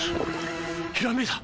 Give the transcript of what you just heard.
ひらめいた！